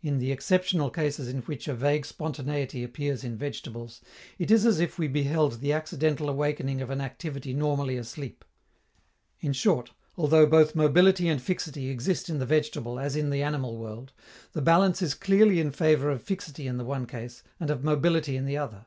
In the exceptional cases in which a vague spontaneity appears in vegetables, it is as if we beheld the accidental awakening of an activity normally asleep. In short, although both mobility and fixity exist in the vegetable as in the animal world, the balance is clearly in favor of fixity in the one case and of mobility in the other.